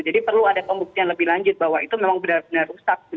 jadi perlu ada pembuktian lebih lanjut bahwa itu memang benar benar rusak